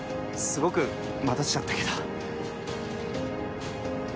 すごく待たせちゃったけど。